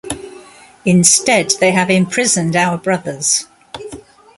Instead they have imprisoned our brothers.